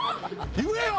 言えよ！